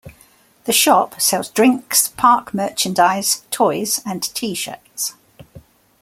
The shop sells drinks, park merchandise, toys and T-Shirts.